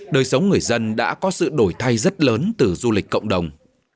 đời sống người dân đã có sự đổi thay rất lớn từ du lịch cộng đồng